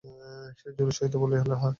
সে জোরের সহিত বলিল, হাঁ।